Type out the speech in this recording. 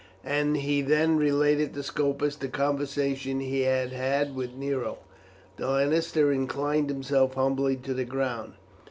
And he then related to Scopus the conversation he had had with Nero. The lanista inclined himself humbly to the ground.